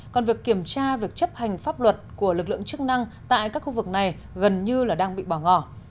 còn việc kiểm tra việc chấp hành pháp luật của lực lượng chức năng tại các khu vực này gần như đang bị bỏ ngỏ